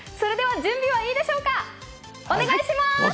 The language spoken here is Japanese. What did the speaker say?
準備はいいでしょうかお願いします！